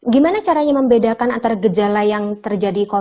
gimana caranya membedakan antara gejala yang terjadi